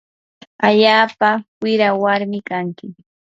allaapa wira warmin kanki.